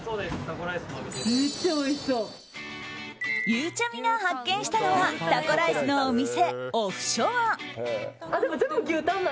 ゆうちゃみが発見したのはタコライスのお店ＯＦＦＳＨＯＲＥ。